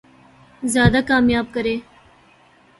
زیادہ کامیاب کریں